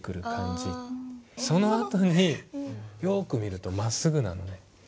そのあとによく見るとまっすぐなのね。